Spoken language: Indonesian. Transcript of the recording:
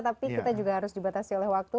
tapi kita juga harus dibatasi oleh waktu